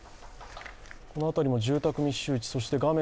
この辺りも住宅密集地、画面